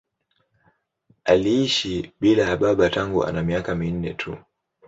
Aliishi bila ya baba tangu ana miaka minne tu.